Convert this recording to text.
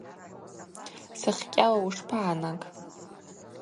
Сахькӏьала ушпагӏанаг?